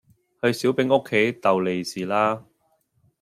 去小丙屋企逗利是啦